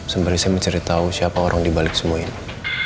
sambil saya mencari tau siapa orang dibalik semua ini